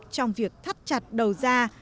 trong việc thắt chặt đầu ra